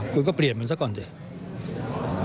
คุณก็เปลี่ยนมันซะก่อนสิ